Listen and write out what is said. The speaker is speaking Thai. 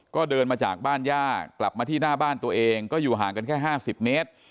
ก็เดินมาจากบ้านย่ากลับมาที่หน้าบ้านตัวเองก็อยู่ห่างกันแค่๕๐เมตร